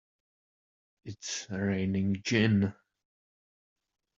It's raining gin!